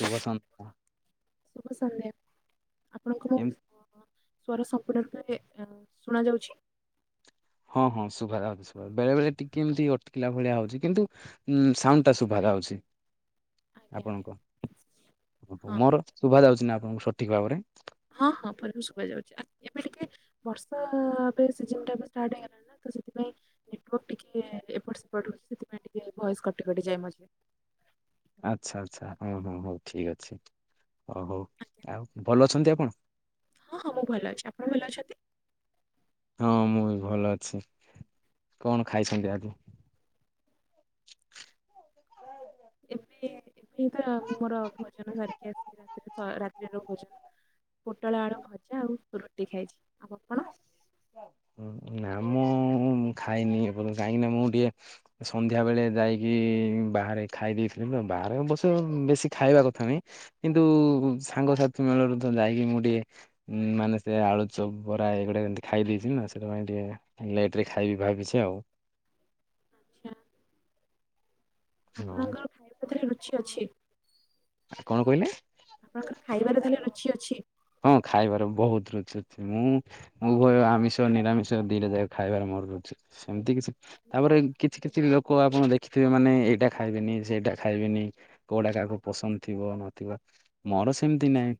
ଶୁଭ ସନ୍ତ ଶୁଭ ସନ୍ଧ୍ୟା ଆପଣଙ୍କର କେମ ସ୍ଵର ସମ୍ପୁଟରୁ ଏ ଶୁଣା ଯାଉଛି। ହଁ ହଁ ଶୁଭା ଅଛି। ବେଳେ ବେଳେ ଟିକେ ଏମିତି ଅଟକିଲା ଭଳିଆ ହଉଛି କିନ୍ତୁ ଉଁ ସାଉଣ୍ଡ ଟା ଶୁଭାର ହାଉଛି। ଆଜ୍ଞା ଆଜ୍ଞା ଆପଣଙ୍କ ହଁ ମୋର ଶୁଭା ଯାଉଛି ନା ଆପଣଙ୍କୁ ସଠିକ ଭାବରେ? ହଁ ହଁ ପରିବା ଶୁଭ ଯାଉଛିବେ ଆ ଏବେ ଟିକେ ବର୍ଷା ଏବେ ସିଜିନ ଟା ଷ୍ଟାର୍ଟ ହେଇଗଲା ନା ତ ସେଥିପାଇଁ ନେଟୱର୍କ ଟିକେ ଏପଟ ସେପଟ ସେଥିପାଇଁ ଟିକେ ଭୟସ କଟି କଟି ଯାଏ ମଝିରେ ଆଚ୍ଛା ଆଚ୍ଛା ହଁ ହଁ ହଉ ଠିକ ଅଛି। ଓ ହଉ ଆଜ୍ଞା ଆଉ ଭଲ ଅଛନ୍ତି ଆପଣ? ହଁ ହଁ ମୁଁ ଭଲ ଅଛି ଆପଣ ଭଲ ଅଛନ୍ତି? ହଁ ମୁଁ ବି ଭଲ ଅଛି କଣ ଖାଇଛନ୍ତି ଆଜି? ଏବେ ଏବେ ତ ମୁଁ ମୋର ଭୋଜନ ସରିକି ଆସିରେ ରାତିତ ରାତିର ଭୋଜନ ପୋଟଳ ଆଳୁ ଭଜା ଆଉ ରୁଟି ଖାଇଛି ଆଉ କଣ? ନା ମୁଁ ଖାଇନି ଏଯ୍ୟୁ କାହିଁକିନା ମୁଁ ଟିକେ ସନ୍ଧ୍ୟା ବେଳେ ଯାଇକି ବାହାରେ ଖାଇ ଦେଇଥିଲି ନା ବାହାରେ ବସ ବେଶୀ ଖାଇବା କଥା ନହିଁ। କିନ୍ତୁ ସାଙ୍ଗସାଥି ମେଳରୁ ତ ଯାଇକି ମୁଁ ଟିକେ ଉଁ ମାନେ ସେ ଆଳୁ ଚ ବରା ଏଇଗୁଡା କେମତି ଖାଇ ଦେଇଛି ନା ସେଇଥିପାଇଁ ଟିକେ ଲେଟ୍ ରେ ଖାଇବି ଭାବିଛି ଆଉ। ଆଚ୍ଛା ହଁ ଆପଣଙ୍କର ଖାଇବାତରେ ରୁଚି ଅଛି? କଣ କହିଲେ? ଆପଣଙ୍କର ଖାଇବାର ତାହେଲେ ରୁଚି ଅଛି? ହଁ ଖାଇବାର ବହୁତ ରୁଚି ଅଛି ମୁଁ ଉଭୟ ଆମିଷ ନିରାମିଷ ଦିରେ ଯାକରେ ଖାଇବାରେ ମୋର ରୁଛି ସେମିତି କିଛି ତାପରେ କି କିଛି କିଛି ଲୋକ ଆପଣ ଦେଖିଥିବେ ମାନେ ଏଇଟା ଖାଇବେନି ସେଇଟା ଖାଇବେନି। କୋଉଡା କାହାକୁ ପସନ୍ଦ ଥିବ ନଥିବ ମୋର ସେମିତି ନାଇଁ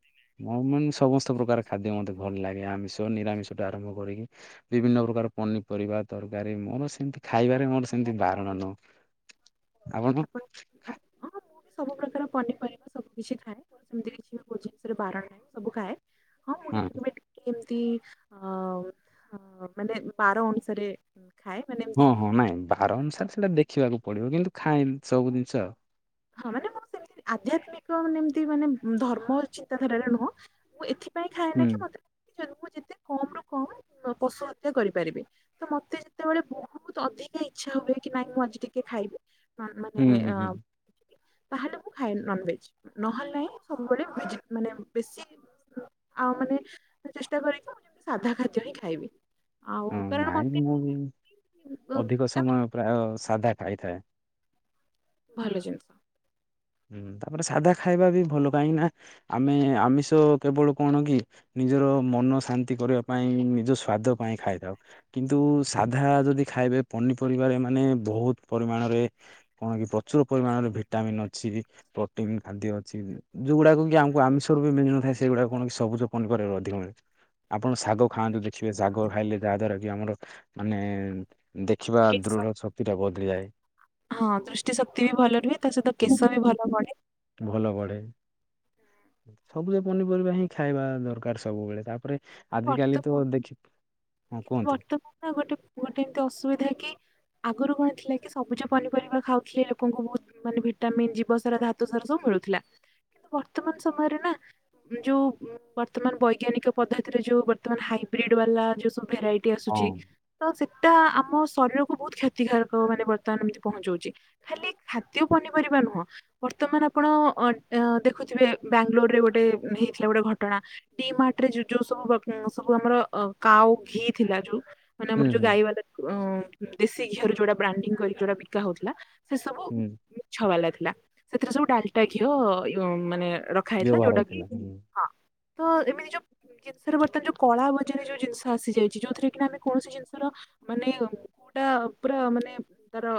ମୋ ମ ସମସ୍ତ ପ୍ରକାର ଖାଦ୍ୟ ମୋତେ ଭଲ ଲାଗେ ଆମିଷ ନିରାମିଷ ଟା ଆରମ୍ଭ କରିକି ବିଭିନ୍ନ ପ୍ରକାର ପନିପରିବା ତରକାରୀ ମୋର ସେମିତି ଖାଇବାରେ ମୋର ସେମତି ବାରଣ ନୁହଁ। ଆପଣ ଆପଣ- ହଁ ମୁଁ ବି ସବୁ ପ୍ରକାର ପନିପରିବା ସବୁ କିିଛି ଖାଏ। ସେମିତି କିଛି ବି କୋଉ ଜିନିଷରେ ବାରଣ ନାହିଁ ସବୁ ଖାଏ ହଁ। ମୁଁ ହୁଁ। କେବେ କେବେ ଏମିତି ଅ ମାନେ ବାର ଅନୁସାରେ ଖାଏ। ମାନେ ହଁ ଏମିତି ହଁ ନାଇଁ ବାର ଅନୁସାରେ ସେଇଟା ଦେଖିବାକୁ ପଡିବ କିନ୍ତୁ ଖାଏନି ସବୁ ଜିନିଷ ଆଉ। ହଁ ମାନେ ମୁଁ ସେମିତି ଆଧ୍ୟାତ୍ମିକ ମାନେ ଏମିତି ମାନେ ଧର୍ମ ଚିନ୍ତାଧାରାରେ ନୁହଁ ମୁଁ ଏଥି ପାଇଁ ହୁଁ ଖଏନା କି ମୋତେ କମ୍ ରୁ କମ୍ ପଶୁ ହତ୍ୟା କରିପାରିବେ। ତ ମତେ ଯେତେବେଳେ ବହୁତ ଅଧିକା ଇଚ୍ଛା ହୁଏ କି ନାଇଁ ମୁଁ ଆଜି ଟିକେ ଖାଇବି ମା-ମାନେ ହୁଁ ଅ ହୁଁ। ତାହେଲେ ମୁଁ ଖାଏ ନନ୍ବେଜ ନହେଲେ ନାଇଁ ସବୁବେଳେ ଭେଜି ମାନେ ବେଶୀ ଆଉ ମାନେ ଚେଷ୍ଟା କରିକି ମୁଁ ଯେମିତି ସାଧା ଖାଦ୍ୟ ହିଁ ଖାଇବି। ଆଉ ହଁ କାରଣ ନାଇଁ ମତେ ମୁଁ ବି ଅଧିକ ଅ, ସମୟ ପ୍ରାୟ ସାଧା ଖାଇଥାଏ। ଭଲ ଜିନିଷ। ହୁଁ ତାପରେ ସାଧା ଖାଇବା ବି ଭଲ କାହିଁକି ନା ଆମେ ଆମିଷ କେବଳ କଣ କି ନିଜର ମନ ଶାନ୍ତି କରିବା ପାଇଁ ନିଜ ସ୍ଵାଦ ପାଇଁ ଖାଇଥାଉ। କିନ୍ତୁ ସାଧା ଯଦି ଖାଇବେ ପନିପରିବାରେ ମାନେ ବହୁତ ପରିମାଣରେ କଣ କି ପ୍ରଚୁର ପରିମାଣରେ ଭିଟାମିନ୍ ଅଛି। ପ୍ରୋଟିନ ଖାଦ୍ୟ ଅଛି ଯଉଗୁଡାକ କି ଆମକୁ ଆମିଷରୁ ବି ମିଳିୁନଥାଏ ସେଗୁଡା କଣ କି ସବୁଜ ପନିପରିବାରୁ ଅଧିକ ମିଳିଥା ଆପଣ ଶାଗ ଖାଆନ୍ତୁ ଦେଖିବେ ଶାଗ ଖାଇଲେ ଯାହା ଦ୍ଵାରା କି ଆମର ମାନେ ଦେଖିବା କେଶ ଦୃଢ ଶକ୍ତିଟା ବଦଳି ଯାଏ। ହଁ ଦୃଷ୍ଟି ଶକ୍ତି ବି ଭଲ ରୁହେ ତା ସହିତ କେଶ ବି ଭଲ ବଢ଼େ। ଭଲ ବଢେ। ସବୁଜ ପନିପରିବା ହିଁ ଖାଇବା ଦରକାର ସବୁବେଳେ ତାପରେ କିନ୍ତୁ ଆଜିକାଲି ବର୍ତ୍ତମାନ ତ ଦେଖି, ହଁ କିନ୍ତୁ କୁହନ୍ତୁ। ବର୍ତ୍ତମାନ ନା ଗୋଟେ ପୁଅଟେ ଏମିତି ଅସୁବିଧା କି ଆଗରୁ କଣ ଥିଲା କି ସବୁଜ ପନିପରିବା ଖାଉଥିଲେ ଲୋକଙ୍କୁ ବହୁତ ମାନେ ଭିଟାମିନ ଜୀବସାରା, ଧାତୁସାରା ସବୁ ମିଳୁଥିଲା। ବର୍ତ୍ତମାନ ସମୟରେ ନା ଯୋଉ ବର୍ତ୍ତମାନ ବୈଜ୍ଞାନିକ ପଦ୍ଧତିରେ ଯୋଉ ବର୍ତ୍ତମାନ ହାଇବ୍ରିଡ ବାଲା ଯୋଉ ସବୁ ଭେରାଇ ଟି ହଁ ଆସୁଛି ତ ସେଟା ଆମ ଶରୀରକୁ ବହୁତ କ୍ଷତିକାରକ ମାନେ ବର୍ତ୍ତମାନ ଏମତି ପହଞ୍ଚଉଛି ଖାଲି ଖାଦ୍ୟ ପନିପରିବା ନୁହଁ ବର୍ତ୍ତମାନ ଆପଣ ଦେଖୁଥିବେ ବାଙ୍ଗାଲୋରରେ ଗୋଟେ ହେଇଥିଲା ଗୋଟେ ଘଟଣା। ଟି ମାର୍ଟରେ ଯୁ ଯୋଉ ସବୁ ବକ୍ ସବୁ ଆମର ଅ କାଓ ଘି ଥିଲା ଯୋଉ ମାନେ ହୁଁ ଆମର ଯୋଉ ହୁଁ ଗାଈ ବାଲା ଅ ଦେଶୀ ଘିଅରୁ ଯୋଉଟା ବ୍ରାଣ୍ଡି କରିକି ଯୋଉଟା ବିକା ହଉଥିଲା, ସେ ସବୁ ହୁଁ। ମିଛ ବାଲା ଥିଲା। ସେଥିରେ ସବୁ ଡାଲଟା ଘିଅ ୟ ମାନେ ର ରଖା ହେଇଥିଲା ବ୍ୟବହାର ଯୋଉଟା କିଁ, ହୁଁ। ହଁ ତ ଏମିତି ଯୋଉ ଜିନିଷରେ ବର୍ତ୍ତମାନ ଯୋଉ କଳା ବଜାରି ଯୋଉ ଜିନିଷ ଆସିଯାଇଛି ଯୋଉଥିରେ କିିନା ଆମେ କୌଣସି ଜିନିଷର ମାନେ କଉଟା ପୁରା ମାନେ ତାର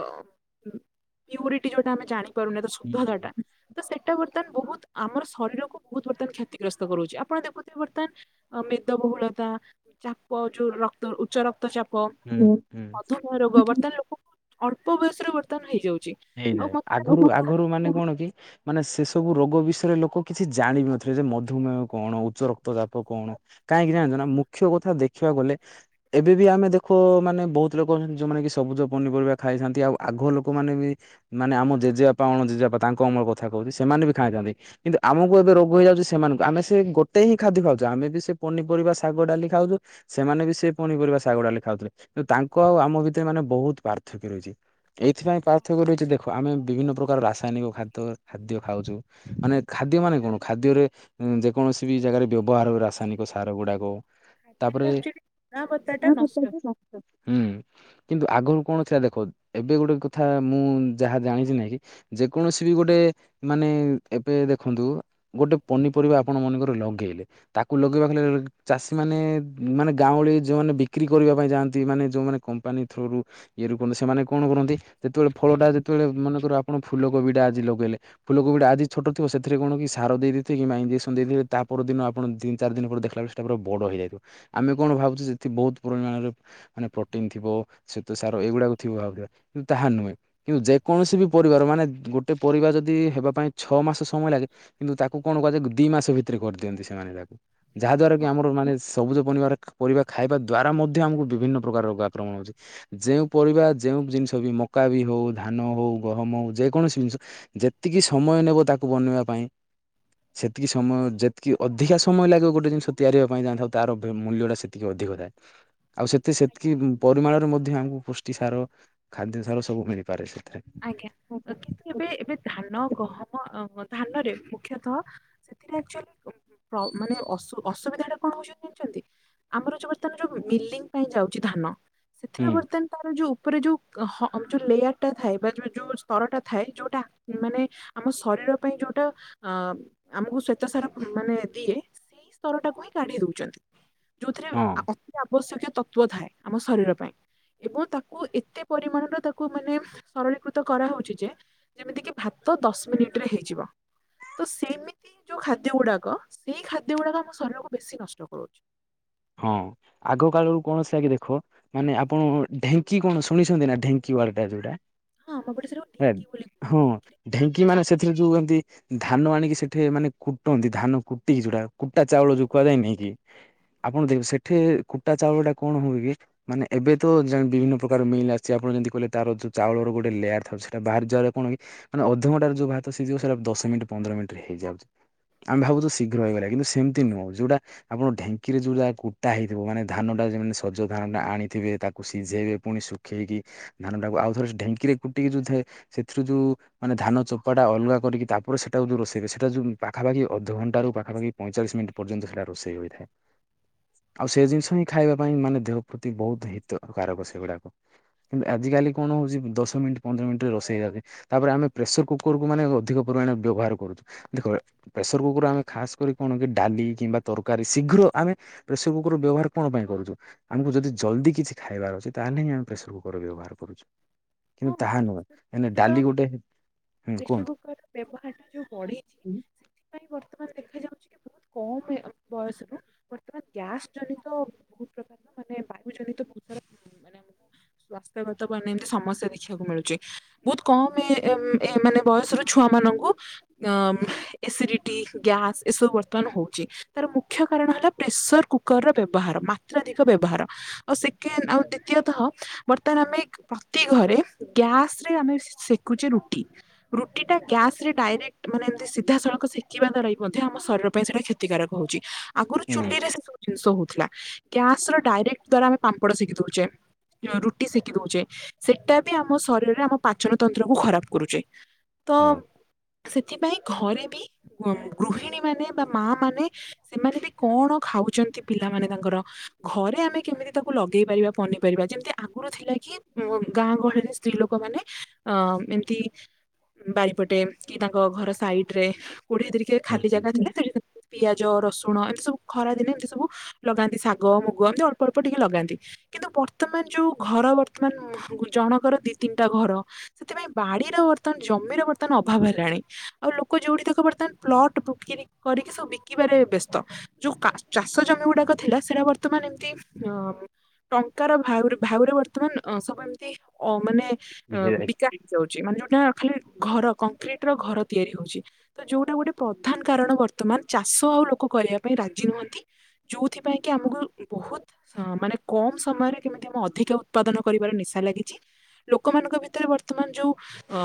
ପ୍ୟୁରିଟି ଯୋଉଟା ଆମେ ଜାଣି ଶୁଦ୍ଧତାଟା। ହୁଁ ତ ସେଇଟା ବର୍ତ୍ତମାନ ବହୁତ ଆମର ଶରୀରକୁ ବହୁତ ବର୍ତ୍ତମାନ କ୍ଷତିଗ୍ରସ୍ତ କରୁଛି ଆପଣ ଦେଖୁଥିବେ ମେଦବହୁଳତା, ଚାପ ଯୋଉ ରକ୍ତ ଉଚ୍ଚ ରକ୍ତ ଚାପ ହଁ ହୁଁ ମଧୁମେହ ରୋଗ ବର୍ତ୍ତମାନ ଲୋକଙ୍କୁ ଅଳ୍ପ ବୟସରେ ବର୍ତ୍ତମାନ ହେଇଯାଉଛି। ଆଉ ହେଇଯାଏ। ମତେ ଲାଗୁଛି ଆଗକୁ ଏହା ଆଗରୁ ମାନେ କଣ କି ମାନେ ସେ ସବୁ ରୋଗ ବିଷୟରେ ଲୋକ କିଛି ଜାଣି ନଥିଲେ ଯେ ମଧୁମେହ କଣ? ଉଚ୍ଚ ରକ୍ତ ଚାପ କଣ? କାହିଁକି ଜାଣଛ ନା, ମୁଖ୍ୟ କଥା ଦେଖିବାକୁ ଗଲେ ଏବେ ବି ଆମେ ଦେଖୁ ମାନେ ବହୁତ ଲୋକ ଅଛନ୍ତି ଯୋଉମାନେ କି ସବୁଜ ପନିପରିବା ଖାଇଥାନ୍ତି ଆଉ ଆଗ ଲୋକମାନେ ବି ମାନେ ଆମ ଜେଜେବାପା ଅଣ ଜେଜେପା ତାଙ୍କ ଅମଳ କଥା କହୁଛି, ସେମାନେ ବି ଖାଇଥାନ୍ତି। କିନ୍ତୁ ଆମକୁ ଏବେ ରୋଗ ହେଇଯାଉଛି ସେମାନଙ୍କୁ ଆମେ ସେ ଗୋଟେ ହିଁ ଖାଦ୍ୟ ଖାଉଛୁ ଆମେ ବି ସେ ପନିପରିବା ଶାଗ ଡାଲି ଖାଉଛୁ। ସେମାନେ ବି ସେ ପୁଣିିପରିବା ଶାଗ ଡାଲି ଖାଉଥିଲେ କିନ୍ତୁ ତାଙ୍କ ଆଉ ଆମ ଭିତରେ ମାନେ ବହୁତ ପାର୍ଥକ୍ୟ ରହିଛି। ଏଇଥିପାଇଁ ପାର୍ଥକ୍ୟ ରଛି ଦେଖ ଆମେ ବିଭିନ୍ନ ପ୍ରକାର ରାସାୟନିକ ଖାଦ୍ୟ ଖାଦ୍ୟ ଖାଉଛୁ। ମାନେ ଖାଦ୍ୟ ମାନେ କଣ ଖାଦ୍ୟରେ ଯେକୌଣସି ବି ଜାଗାରେ ବ୍ୟବହାର ହ ରାସାୟନିକ ସାର ଗୁଡାକ ତାପରେ ଅନାବତା ଟା ନଷ୍ଟ ହୁଏ। [unintelligible] ଉଁ ହୁଁ କିନ୍ତୁ ଆଗରୁ କଣ ଥିଲା ଦେଖ ଏବେ ଗୋଟେ କଥା। ମୁଁ ଯାହା ଜାଣିଛି ନାଇଁ କି ଯେକୌଣସି ବି ଗୋଟେ ମାନେ ଏବେ ଦେଖନ୍ତୁ। ଗୋଟେ ପନିପରିବା ଆପଣ ମନେକର ଲଗେଇଲେ ତାକୁ ଲଗେଇବା ହେଲେ ଚାଷୀ ମାନେ ମାନେ ଗାଁଉଳି ଯୋଉମାନେ ବିକ୍ରି କରିବା ପାଇଁ ଯାଆନ୍ତି ମାନେ ଯୋଉମାନେ କମ୍ପାନୀ ଥ୍ରୁରୁ ଇଏ ରୁ କରନ୍ତି ସେମାନେ କଣ କରନ୍ତି ଯେତେବେଳେ ଫଳ ଟା ଯେତେବେଳେ ମନେ କର ଆପଣ ଫୁଲକୋବିଟା ଆଜି ଲଗେଇଲେ। ଫୁଲକୋବି ଟା ଆଜି ଛୋଟ ଥିବ ସେଥିରେ କଣ କି ସାର ଦେଇଦେଥିବେ କିମ୍ ଇଞ୍ଜେକ୍ସନ ଦେଇଦେବେ ତା ପରଦିନ ଆପଣ ତିିନି ଚାରିିଦିନ ପରେ ଦେଖିଲା ତାପରେ ବଡ଼ ହେଇଯାଇଥିବ ଆମେ କଣ ଭାବୁଛୁ ସେଠି ବହୁତ ପରିମାଣରେ ମାନେ ପ୍ରୋଟିନ ଥିବ ଶ୍ବେତ ସାର ଏଇଗୁଡାକୁ ଥିବ ଭାବୁଥିବା। ତାହା ନୁହେଁ କିନ୍ତୁ ଯେକୌଣସି ବି ପରିବାର ମାନେ ଗୋଟେ ପରିବାର ଯଦି ହେବା ପାଇଁ ଛଅ ମାସ ସମୟ ଲାଗେ, କିନ୍ତୁ ତାକୁ କଣ କୁହାଯାଏ ଦି ମାସ ଭିତରେ କରିଦିଅନ୍ତି ସେମାନେ ତାକୁ। ଯାହାଦ୍ୱାରା କି ଆମର ମାନେ ସବୁଜ ପରନିବାର ପରିବା ଖାଇବା ଦ୍ୱାରା ମଧ୍ୟ ଆମକୁ ବିଭିନ୍ନ ପ୍ରକାର ରୋଗ ଆକ୍ରମଣ ହେଉଛି। ଯେଉଁ ପରିବା ଯେଉଁ ଜିନିଷ ବି ମକା ବି ହଉ ଧାନ ହଉ ଗହମ ହଉ ଯେକୌଣସି ଜିନିଷ ଯେତିକି ସମୟ ନେବ ତାକୁ ବନେଇବା ପାଇଁ ସେତିକି ସମୟ ଯେତିକି ଅଧିକା ସମୟ ଲାଗିବ ଗୋଟେ ଜିନିଷ ତିଆରିବା ପାଇଁ ଯାଣିଥାଉ ତାର ମୂଲ୍ୟଟା ସେତିକି ଅଧିକ ଥାଏ। ଆଉ ସେତେ ସେତିକି ପରିମାଣରେ ମଧ୍ୟ ଆମକୁ ପୁଷ୍ଟି ସାର, ଖାଦ୍ୟ ସାର ସବୁ ମିଳିପାରେ ସେଥିରେ। ଆଜ୍ଞା କିନ୍ତୁ ଏବେ ଏବେ ଧାନ ଗହମ ଅଁ ଧାନରେ ମୁଖ୍ୟତଃ ସେଥିରେ ଆକଚୁଲିଆଲି ପ୍ର ମାନେ ଅସୁ ଅସୁବିଧା ଟା କଣ ହଉଛନ୍ତି ଜାଣିଛନ୍ତି। ଆମର ଯୋଉ ବର୍ତ୍ତମାନ ଯୋଉ ମିଲିଂ ପାଇଁ ଯାଉଛି ଧାନ। ହୁଁ ସେଥିରେ ବର୍ତ୍ତମାନ ତାର ଯୋଉ ଉପରେ ଯୋଉ ହ ଯୋଉ ଲେୟାର ଟା ଥାଏ ବା ଯୋଉ ଯୋଉ ସ୍ତରଟା ଥାଏ ଯୋଉଟା ମାନେ ଆମ ଶରୀର ପାଇଁ ଯୋଉଟା ଅଁ ଆମକୁ ଶ୍ଵେତ ସାର ମାନେ ଦିଏ ସେଇ ସ୍ତର ଟାକୁ ହିଁ କାଢି ଦଉଛନ୍ତି। ଯୋଉଥିରେ ହଁ ଆ ଅତି ଆବଶ୍ୟକ ତ ପୁଅ ଥାଏ ଆମ ଶରୀର ପାଇଁ ଏବଂ ତାକୁ ଏତେ ପରିମାଣର ତାକୁ ମାନେ ସରଳୀକୃତ କରାହଉଛି ଯେ ଯେମିତି କି ଭାତ ଦଶ ମିନିଟ ରେ ହେଇଯିବ। ତ ସେମିତି ଯୋଉ ଖାଦ୍ୟ ଗୁଡାକ ସେଇ ଖାଦ୍ୟ ଗୁଡାକ ଆମ ଶରୀରକୁ ବେଶୀ ନଷ୍ଟ କରୁଛି। ହଁ ଆଗ କାଳରୁ କୌଣସି ଆଗେ ଦେଖ ମାନେ ଆପଣ ଢେଙ୍କି କଣ ଶୁଣିଛନ୍ତି ନାଁ ଢେଙ୍କି ୱାଡ ଟା ଯୋଉଟା। ହଁ ଆମ ପଟେ ଢି ଆ ହଁ ଢେଙ୍କି ମାନେ ସେଥିରେ ଯୋଉ ଏମତି ଧାନ ଆଣିକି ସେଠି ମାନେ କୁଟନ୍ତି ଧାନ କୁଟିକି ଯୋଉଟା କୁଟା ଚାଉଳ ଯୋଉ କୁହାଯାଏ ନାଇଁ କି। ଆପଣ ଦେଖ ସେଠି କୁଟା ଚାଉଳ ଟା କଣ ହୁଏ କି? ମାନେ ଏବେ ତ ଯା ବିଭିନ୍ନ ପ୍ରକାର ମିଲ୍ ଆସଛି ଆପଣ ଯେମିତି କହିଲେ ତାର ଯୋଉ ଚାଉଳର ଗୋଟେ ଲେୟାର ଥାଏ ସେଟା ବାହାରି ଯିବାରେ କଣ କି, ମାନେ ଅଧଘଣ୍ଟାରେ ଯଉ ଭାତ ସିଯିବ ସେଟା ଦଶ ମିନିଟ ପନ୍ଦର ମିନିଟ ହେଇଯାଉଛି। ଆମେ ଭାବୁଛୁ ଶୀଘ୍ର ହେଇଗଲା କିନ୍ତୁ ସେମିତି ନୁହଁ ଯୋଉଟା ଆପଣ ଢେ ଙ୍କି ରେ ଯେଉଁଟା କୁଟା ହୋଇଇଥିବ ମାନେ ଧାନଟା ଯେମାନେ ସଜ ଧାନଟା ଆଣିଥିବ ତାକୁ ସିଝାଇବେ ପୁଣି ଶୁଖେଇକି ଧାନ ଟାକୁ ଆଉଥରେ ଢେଙ୍କିରେ କୁଟିକି ଯୋଉ ଥାଏ ସେଥିରୁ ଯୋଉ ମାନେ ଧାନ ଚୋପାଟା ଅଲଗା କରିକି ତାପରେ ସେଟା ଯଉ ରୋଷେଇ ସେଟା ଯଉ ପାଖାପାଖି ଅଧଘଣ୍ଟ ର ପାଖାପାଖି ପଇଁଚାଳିଶି ମିନିଟ ପର୍ଯ୍ୟନ୍ତ ସେଟା ରୋଷେଇ ହୋଇଥାଏ। ଆଉ ସେ ଜିନିଷ ହିଁ ଖାଇବା ପାଇଁ ମାନେ ଦେହ ପ୍ରତି ବହୁତ ହିତକାରକ ସେଗୁଡାକ। କିନ୍ତୁ ଆଜିିକାଲି କଣ ହଉଚି ଦଶ ମିନିଟ ପନ୍ଦର ମିନିଟରେ ରୋଷେଇ ଆଗେ ତାପରେ ଆମେ ପ୍ରେସର୍ କୁକର୍ କୁ ମାନେ ଅଧିକ ପରିମାଣ ବ୍ୟବହାର କରୁଚୁ ଦେଖ ପ୍ରେସର୍ କୁକର୍ ଆମେ ଖାସ କରି କଣ କି ଡାଲି କିମ୍ବା ତରକାରୀ ଶୀଘ୍ର ଆମେ ପ୍ରେସର୍ କୁକର୍ ର ବ୍ୟବହାର କଣ ପାଇଁ କରୁଚୁ ଆମକୁ ଯଦି ଜଲ୍ଦି କିଛି ଖାଇବାର ଅଛି ତାହେଲେ ହିଁ ଆମେ ପ୍ରେସର କକର୍ ବ୍ୟବହାର କରୁଚୁ। କିନ୍ତୁ ହଁ ତାହା ନୁହଁ ମେ ର ଡାଲି ଗୋଟେ ହୁଁ ପ୍ରେସର କୁହନ୍ତୁ। କୁକର୍ ର ବ୍ୟବହାର ଟା ଯୋଉ ବଢିଛି ହୁଁ ସେଥିପାଇଁ ବର୍ତ୍ତମାନ ଦେଖାଯାଉ [unintelligible] କମ ବୟସ ରୁ ବର୍ତମାନ ଗ୍ୟାସ୍ ଜନିତ [unintelligible] ମାନେ ବାୟୁ ଜନିତ [unintelligible] ସ୍ୱାସ୍ଥ୍ୟଗତ ପାଇଁ ଏମିତି ସମସ୍ୟା ଦେଖିବାକୁ ମିଳୁଚି ବହୁତ କମ ଏମ୍ ଏ ମାନେ ବୟସର ଛୁଆ ମାନଙ୍କୁ ଅଁ ମ୍ ଏସିଡିଟି ଗ୍ୟାସ୍ ଏସବୁ ବର୍ତ୍ତମାନ ହଉଚି। ତାର ମୁଖ୍ୟ କାରଣ ହେଲା ପ୍ରେସର କୁକର ର ବ୍ୟବହାର ମାତ୍ରାଧିକ ବ୍ୟବହାର। ଆଉ ସେକେଣ୍ଡ ଆଉ ଦ୍ଵିତୀୟତଃ ବର୍ତ୍ତମାନ ଆମେ ପ୍ରତି ଘରେ ଗ୍ୟାସ୍ ରେ ଆମେ ସେକୁଚେ ରୁଟି ରୁଟି ଟା ଗ୍ୟାସ୍ ରେ ଡାଇରେକ୍ଟ ମାନେ ଏମିତି ସିଧାସଳଖ ସେକିବା ଦ୍ୱାରା ବି ମଧ୍ୟ ଆମ ଶରୀର ପାଇଁ ସେଇଟା କ୍ଷତିକାରକ ହଉଚି। ଆଗରୁ ଚୁଲିରେ ସେ ସବୁ ଜିନିଷ ହଉଥିଲା ଗ୍ୟାସ୍ ର ଡାଇରେକ୍ଟ ଦ୍ଵାରା ଆମେ ପାମ୍ପଡ ଶେକି ଦଉଚେ। ଯୋଉ ରୁଟି ସେକି ଦଉଚେ ସେଟା ବି ଆମ ଶରୀରରେ ଆମ ପାଚନ ତନ୍ତ୍ର କୁ ଖରାପ କରୁଚି ତ ହଁ ସେଥିପାଇଁ ଘରେ ବି ଗୃହିଣୀ ମାନେ ବା ମା ମାନେ ସେମାନେ ବି କଣ ଖାଉଚନ୍ତି ପିଲାମାନେ ତାଙ୍କର ଘରେ ଆମେ କେମିତି ତାକୁ ଲଗେଇ ପାରିବା ପନି ପାରିବା ଯେମିତି ଆଗରୁ ଥିଲା କି ଗାଁ ଗହଳିରେ ସ୍ତ୍ରୀ ଲୋକମାନେ ଅଁ ଏମ୍ ତି ବାରିପଟେ କି ତାଙ୍କ ଘର ସାଇଟ୍ ରେ କୋଡିଏ ଟିକେ ଖାଲି ଜାଗା ହୁଁ ଥିଲା ସେଠି ପିଆଜ ରସୁଣ ଏମିତି ସବୁ ଖରା ଦିନେ ଏମିତି ସବୁ ଲଗାନ୍ତି ଶାଗ ମୁଗ ଏମିତି ଅଳ୍ପ ଅଳ୍ପ ଟିକେ ଲଗାନ୍ତି। କିନ୍ତୁ ବର୍ତ୍ତମାନ ଯୋଉ ଘର ବର୍ତ୍ତମାନ ଜଣଙ୍କର ଦି ତିନିଟା ଘର ସେଥିପାଇଁ ବାଡିର ବର୍ତ୍ତମାନ ଜମିର ବର୍ତ୍ତମାନ ଅଭାବ ହେଲାଣି। ଆଉ ଲୋକ ଯୋଉଠି ତାକୁ ବର୍ତ୍ତମାନ ପ୍ଲଟ ବିକିରି କରିକି ସବୁ ବିକିବାରେ ବ୍ୟସ୍ତ। ଯୋଉ କା ଚାଷ ଜମି ଗୁଡାକ ଥିଲା ସେରା ବର୍ତ୍ତମାନ ଏମିତି ଅଁ ଟଙ୍କାର ଭାଉ ଭାଉରେ ବର୍ତ୍ତମାନ ଅଁ ସବୁ ଏମିତି ଅ ମାନେ ଏଁ ହେଇଯାଇଛି ବିକା ହୋଉଚି ମାନେ ଯୋଉଟା ଖାଲି ଘର କଂକ୍ରିଟ ର ଘର ତିଆରି ହଉଚି। ତ ଯୋଉଟା ଗୋଟେ ପ୍ରଧାନ କାରଣ ବର୍ତ୍ତମାନ ଚାଷ ଆଉ ଲୋକ କରିବା ପାଇଁ ରାଜି ନୁହନ୍ତି। ଯୋଉଥି ପାଇଁକି ଆମକୁ ବହୁତ ହଁ ମାନେ କମ୍ ସମୟରେ କେମିତି ଅଧିକ ଉତ୍ପାଦନ କରିବାର ନିଶା ଲାଗିଚି। ଲୋକମାନଙ୍କ ଭିତରେ ବର୍ତ୍ତମାନ ଯୋଉ ଅ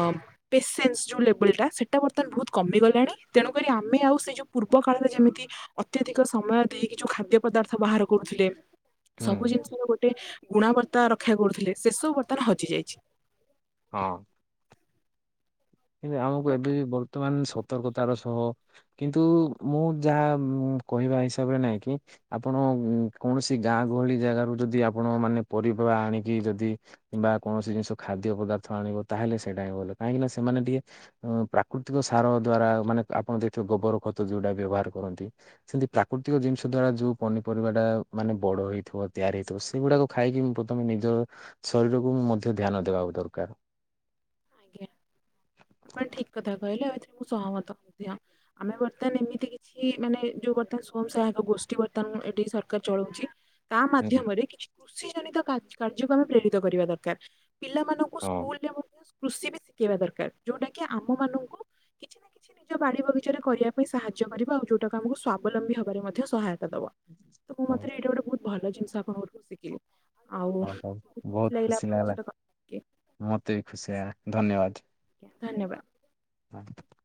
ପେସେନ୍ସ ଯୋଉ ଲେବଲଟା ସେଇଟା ବର୍ତ୍ତମାନ ବହୁତ କମିଗଲାଣି ତେଣୁକରି ଆମେ ଆଉ ସେ ଯୋଉ ପୂର୍ବ କାଳରେ ଯେମିତି ଅତ୍ୟଧିକ ସମୟ ଦେଇକି ଯୋଉ ଖାଦ୍ୟ ପଦାର୍ଥ ବାହାର କରୁଥିଲେ। ହୁଁ ସବୁ ଜିନିଷର ଗୋଟେ ଗୁଣାବର୍ତ୍ତା ରକ୍ଷା କରୁଥିଲେ ସେ ସବୁ ବର୍ତ୍ତମାନ ହଜି ଯାଇଚି। ହଁ। କିନ୍ତୁ ଆମକୁ ଏବେ ବର୍ତ୍ତମାନ ସତର୍କତାର ସହ କିନ୍ତୁ ମୁଁ ଯାହା କହିବା ହିସାବରେ ନାଇଁ କି ଆପଣ କୌଣସି ଗାଁ ଗହଳି ଜାଗାରୁ ଯଦି ଆପଣ ମାନେ ପରିବା ଆଣିକି ଯଦି କିମ୍ବା କୌଣସି ଜିନିଷ ଖାଦ୍ୟ ପଦାର୍ଥ ଆଣିବ ତାହଲେ ସେଇଟା ହିଁ ଭଲ କାହିଁକିନା ସେମାନେ ଟିକେ ହଁ ପ୍ରାକୃତିକ ସାର ଦ୍ଵାରା ମାନେ ଆପଣ ଦେଇଥିବା ଗୋବର ଖତ ଯୋଉଟା ବ୍ୟବହାର କରନ୍ତି ସେମିତି ପ୍ରାକୃତିକ ଜିନିଷ ଦ୍ଵାରା ଯୋଉ ପନିପରିବା ଟା ମାନେ ବଡ ହେଇଥିବ ତିଆରି ହେଇଥିବ ସେ ସେଗୁଡାକ ଖାଇକି ମୁ ତମେ ନିଜ ଶରୀରକୁ ମଧ୍ୟ ଧ୍ୟାନ ଦେବା ଦରକାର। ଆଜ୍ଞା। ଭାଇ ଠିକ୍ କଥା କହିଲେ ଆଉ ଏଥିରେ ମୁଁ ସହମତ ମଧ୍ୟ। ଆମେ ବର୍ତ୍ତମାନ୍ ଏମିତି କିଛି ମାନେ ଯୋଉ ବର୍ତ୍ତମାନ ସ୍ଵୟଂ ସହାୟକ ଗୋଷ୍ଠୀ ବର୍ତ୍ତମାନ ଏଠି ସରକାର ଚଳଉଛି ତା ହୁଁ, ମାଧ୍ୟମରେ କିଛି କୃଷି ଜନିତ କାର୍ଯ୍ୟ -କାର୍ଯ୍ୟକ୍ରମ ପ୍ରେରିତ କରିବା ଦରକାର ପିଲାମାନଙ୍କୁ ସବୁ ହଁ ସ୍କୁଲରେ ମଧ୍ୟ କୃଷି ବି ଶିଖେଇବା ଦରକାର ଯୋଉଟା କି ଆମ ମାନଙ୍କୁ କିଛି ନା କିଛି ନିଜ ବାଡି ବଗିଚାରେ କରିବା ପାଇଁ ସାହାଯ୍ୟ କରିବ ଆଉ ଯୋଉଟାକୁ ଆମକୁ ସ୍ଵାବଲମ୍ବୀ ହବାରେ ମଧ୍ୟ ସହାୟତା ଦବ। ତ ମୋ ହଁ। ମତରେ ଏଇଟା ଗୋଟେ ବହୁତ୍ ଭଲ ଜିନିଷ ଆପଣଙ୍କଠୁ ଶିଖିଲି। ଆଉ ହଉ ହଉ ଖୁସି ବହୁତ ଲାଗିଲା ଖୁସି ଆପଣଙ୍କ ସହିତ କଥା ହେଇକି। ମତେ ବି ଖୁସି ଆ ଧନ୍ୟବାଡ୍। ଧନ୍ୟବାଦ୍। [inaudible]